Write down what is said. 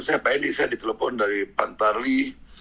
siapa ini saya ditelepon dari pantarlih